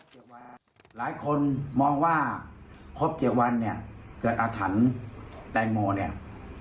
หลายคนมองว่าครบ๗วันเนี่ยเกิดอาถรรพ์แตงโมเนี่ย